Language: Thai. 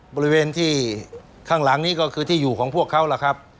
บริเวณที่ข้างหลังนี้ก็คือที่อยู่ของพวกเขาล่ะครับ